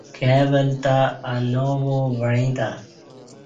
کائی ول تہ اناو وا وعیں تہ